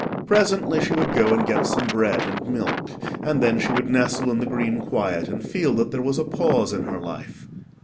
Presently she would go and get some bread and milk, and then she would nestle in the green quiet, and feel that there was a pause in her life.